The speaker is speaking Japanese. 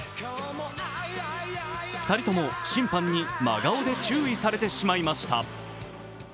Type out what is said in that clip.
２人とも審判に真顔で注意されてしまいました。